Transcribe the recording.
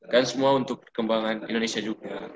kan semua untuk perkembangan indonesia juga